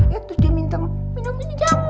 ya tuh dia minta minum ini jamu